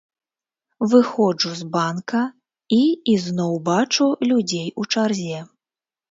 Выходжу з банка і ізноў бачу людзей у чарзе.